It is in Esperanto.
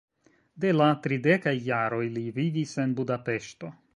De la tridekaj jaroj li vivis en Budapeŝto.